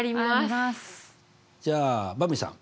じゃあばんびさん。